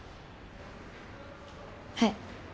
はい。